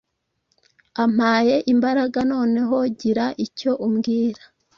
ampaye imbaraga none gira icyo umbwira